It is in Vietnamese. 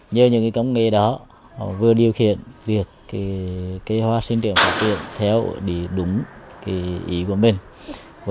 nhờ những công nghệ đó họ vừa điều khiển việc cây hoa sinh trưởng phát triển theo đúng ý của mình